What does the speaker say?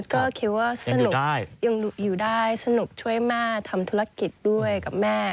ก็คิดว่าสนุกยังอยู่ได้สนุกช่วยแม่ทำธุรกิจด้วยกับแม่